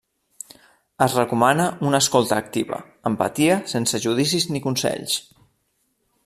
Es recomana una escolta activa, empatia, sense judicis ni consells.